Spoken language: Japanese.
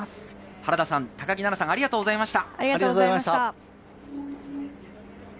原田さん、高木菜那さん、ありがとうございました。